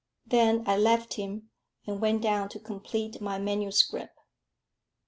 Then I left him, and went down to complete my manuscript.